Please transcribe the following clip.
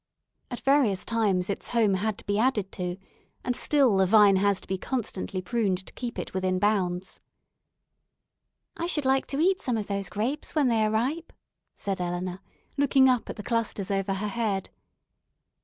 At various times its home had to be added to, and still the vine has to be constantly pruned to keep it within bounds. "I should like to eat some of those grapes when they are ripe," said Eleanor, looking up at the clusters over her head.